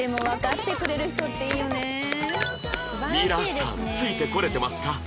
皆さんついてこれてますか？